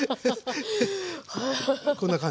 こんな感じです